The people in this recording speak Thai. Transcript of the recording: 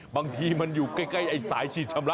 บางทีมันอยู่ใกล้ไอ้สายฉีดชำระ